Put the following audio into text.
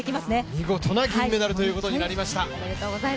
見事な銀メダルということになりました。